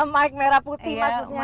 mike merah putih maksudnya